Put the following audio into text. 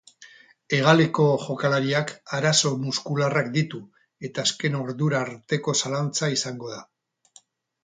Hegaleko jokalariak arazo muskularrak ditu, eta azken ordura arteko zalantza izango da.